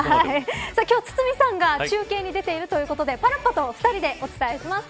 今日、堤さんが中継に出ているということでパラッパと２人でお伝えします。